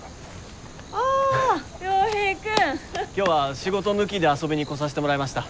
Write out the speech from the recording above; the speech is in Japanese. ああ洋平くん。今日は仕事抜きで遊びに来させてもらいました。